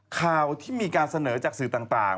ข่าวที่มีการเสนอจากสื่อต่าง